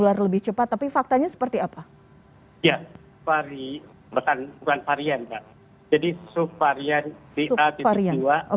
jadi merupakan varian omikron